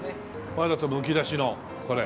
わざとむき出しのこれ。